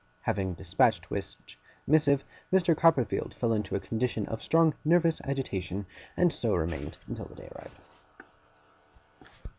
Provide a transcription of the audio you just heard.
Having dispatched which missive, Mr. Copperfield fell into a condition of strong nervous agitation; and so remained until the day arrived.